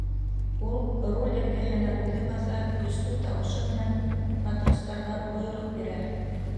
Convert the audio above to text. Ул руль эргәһенә үҙе баҫа, көслө тауышы менән матростарға бойороҡ бирә.